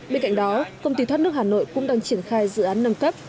bên cạnh đó công ty thoát nước hà nội cũng đang triển khai dự án nâng cấp